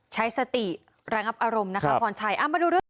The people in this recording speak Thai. ใช้สติระงับอารมณ์นะครับพ่อนชายเอามาดูด้วย